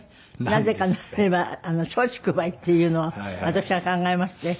なぜかといえば松竹梅っていうのを私が考えまして。